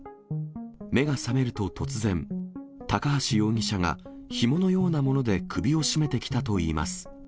目が覚めると突然、高橋容疑者がひものようなもので首を絞めてきたといいます。